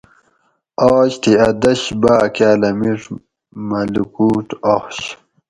آج تھی اۤ دش باۤ کاۤلہ میڄ مۤہ لُکوٹ آش